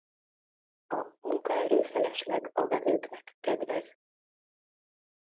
A munkaerő-felesleg a vevőknek kedvez.